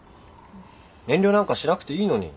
遠慮なんかしなくていいのに。